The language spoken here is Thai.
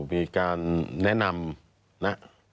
มีการแนะนำนะ